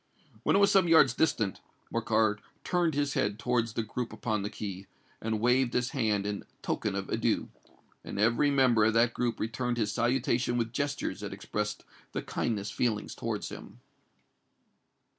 When it was some yards distant, Morcar turned his head towards the group upon the quay, and waved his hand in token of adieu;—and every member of that group returned his salutation with gestures that expressed the kindest feelings towards him.